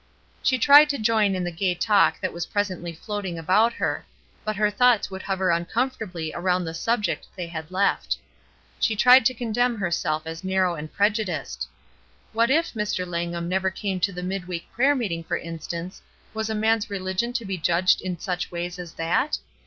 She tried to join in the gay talk that was presently floating about her, but her thoughts would hover imcomfortably around the sub ject they had left. She tried to condemn herself as narrow and prejudiced. What if Mr. Langham never came to the mid week prayer meeting, for instance, was a man's religion to be judged in such ways as that?